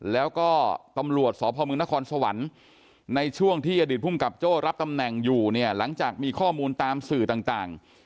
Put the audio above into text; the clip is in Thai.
แล้วก็ตำรวจสพมนครสวรรค์ในช่วงที่อดีตภูมิกับโจ้รับตำแหน่งอยู่เนี่ยหลังจากมีข้อมูลตามสื่อต่าง